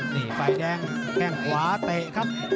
นี่ฝ่ายแดงแข้งขวาเตะครับ